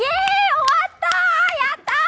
終わったーやったー！